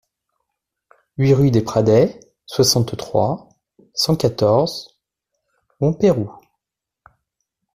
huit rue des Pradets, soixante-trois, cent quatorze, Montpeyroux